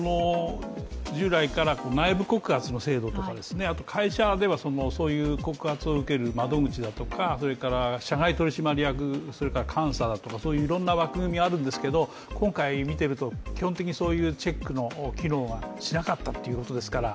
従来から内部告発の制度とか、あと会社ではそういう告発を受ける窓口だとか社外取締役、監査だとか、いろんな枠組みがあるんですけど、今回見ていると基本的にチェックが機能しなかったっていうことですから。